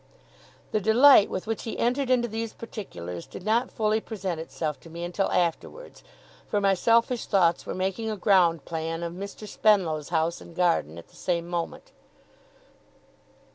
The delight with which he entered into these particulars, did not fully present itself to me until afterwards; for my selfish thoughts were making a ground plan of Mr. Spenlow's house and garden at the same moment.